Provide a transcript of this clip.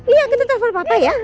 iya kita telepon papa ya